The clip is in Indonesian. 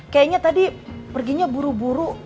kayaknya tadi perginya buru buru